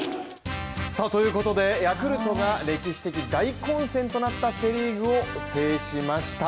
ヤクルトが歴史的大混戦となったセ・リーグを制しました。